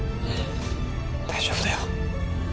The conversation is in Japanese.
うん大丈夫だよ。